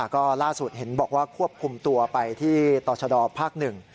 ก็ล่าสุดเห็นบอกว่าควบคุมตัวไปที่ต่อชะดอภาคหนึ่ง